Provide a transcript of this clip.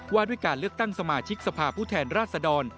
ว่าด้วยการเลือกตั้งสมาชิกสภาพผู้แทนราชดร